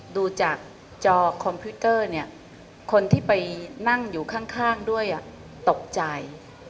ดูจากจอคอมพิวเตอร์เนี่ยคนที่ไปนั่งอยู่ข้างด้วยตกใจ